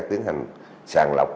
tiến hành sàn lọc